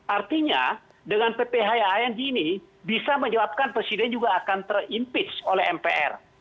artinya dengan pphn ini bisa menyebabkan presiden juga akan terimpeach oleh mpr